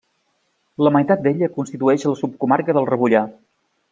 La meitat d'ella constitueix la subcomarca d'El Rebollar.